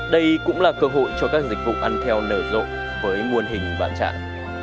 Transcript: đây cũng là cơ hội cho các dịch vụ ăn theo nở rộn với nguồn hình bán chạm